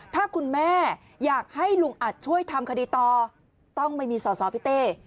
ถ้าคุณแม่อยากให้ลุงอัดช่วยทำคดีต่อต้องไม่มีสอสอพี่เต้